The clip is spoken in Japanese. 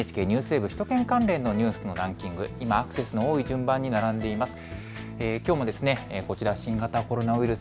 首都圏関連のニュースのランキング、今アクセスの多い順番に並んでいます。